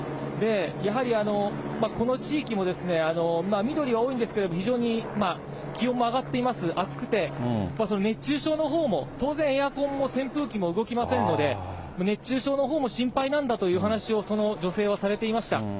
やはりこの地域も緑が多いんですけれども、非常に気温も上がっています、暑くて、熱中症のほうも、当然、エアコンも扇風機も動きませんので、熱中症のほうも心配なんだという話を、その女性はされていました。